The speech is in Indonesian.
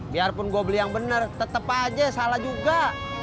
biarpun gua beli yang benar tetep aja salah juga